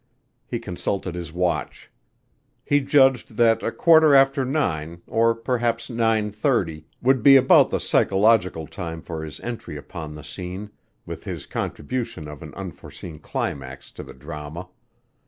He consulted his watch. He judged that a quarter after nine, or perhaps nine thirty, would be about the psychological time for his entry upon the scene, with his contribution of an unforeseen climax to the drama.